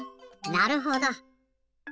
なるほど。